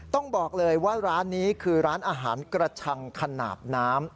ต้องบอกเลยว่าร้านนี้คือร้านอาหารกระชังขนาดน้ำ